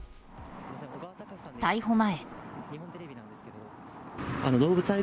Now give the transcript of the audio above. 逮捕前。